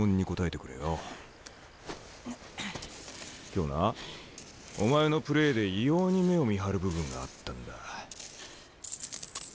今日なお前のプレーで異様に目をみはる部分があったんだ。